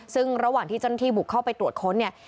ซึ่งระหว่างที่เจ้าหน้าที่บุกเข้าไปตรวจค้นเนี่ย